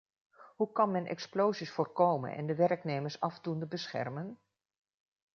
Hoe kan men explosies voorkomen en de werknemers afdoende beschermen?